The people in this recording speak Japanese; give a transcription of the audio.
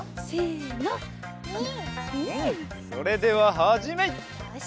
それでははじめい！